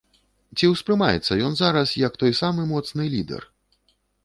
Ці ўспрымаецца ён зараз як той самы моцны лідэр?